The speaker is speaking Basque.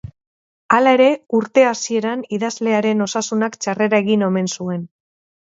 Hala ere, urte hasieran idazlearen osasunak txarrera egin omen zuen.